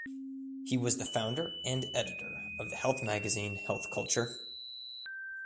He was the founder and editor of the health magazine "Health Culture".